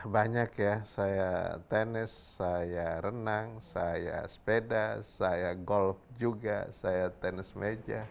banyak ya saya tenis saya renang saya sepeda saya golf juga saya tenis meja